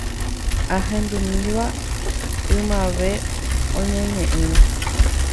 Ahendúmiva ymave oñeñe’ẽrõ